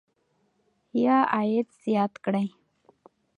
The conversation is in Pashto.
یا عاید زیات کړئ.